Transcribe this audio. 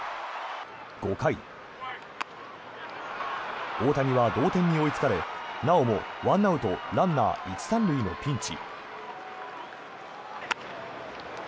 ５回、大谷は同点に追いつかれなおも、１アウトランナー１・３塁のピンチ。